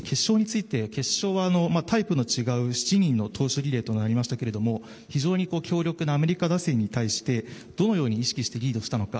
決勝はタイプの違う７人の投手リレーとなりましたが非常に強力なアメリカ打線に対してどのように意識してリードしたのか。